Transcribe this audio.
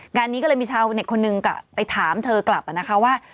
งานนี้ก็เลยมีชาวเน็ตคนหนึ่งไปถามเธอกลับนะคะว่า